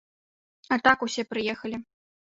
А так усе прыехалі.